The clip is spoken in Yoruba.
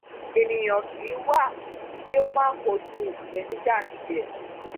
Ènìyàn kìí wà kí ó má kojú ìpèníjà tiẹ̀.